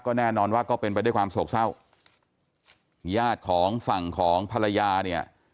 แน่นอนว่าก็เป็นไปด้วยความโศกเศร้าญาติของฝั่งของภรรยาเนี่ย